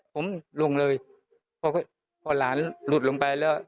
ผมลงเลยพอหลานหลุดลงไปแล้ว